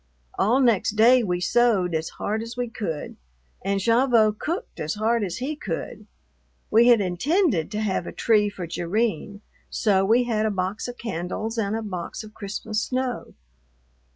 All next day we sewed as hard as we could, and Gavotte cooked as hard as he could. We had intended to have a tree for Jerrine, so we had a box of candles and a box of Christmas snow.